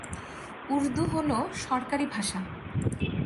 উর্দু হল সরকারি ভাষা।